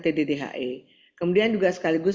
td dhi kemudian juga sekaligus